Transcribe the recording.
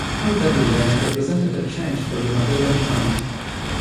Harry W. Lange represented a change for the Magellan fund.